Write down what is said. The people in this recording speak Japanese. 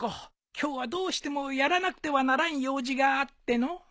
今日はどうしてもやらなくてはならん用事があってのう。